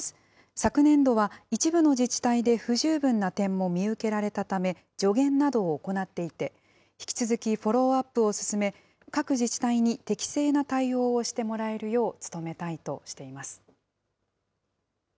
昨年度は一部の自治体で不十分な点も見受けられたため、助言などを行っていて、引き続きフォローアップを進め、各自治体に適正な対応をしてもらえるよう努めたいとしています。